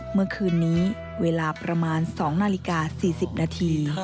เมื่อคืนนี้เวลาประมาณ๒นาฬิกา๔๐นาที